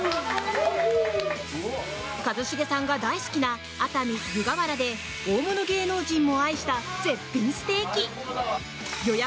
一茂さんが大好きな熱海、湯河原で大物芸能人も愛した絶品ステーキ予約